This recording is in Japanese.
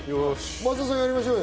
松田さん、やりましょうよ。